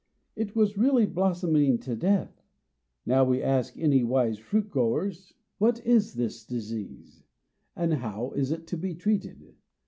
It was really blossoming to death. Now, we ask any wise fruit growers, What is this disease? and how is it to be treated?